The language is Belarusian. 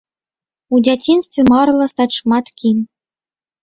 У дзяцінстве марыла стаць шмат кім.